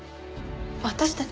私たち